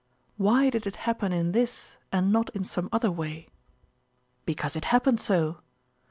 Why did it happen in this and not in some other way? Because it happened so!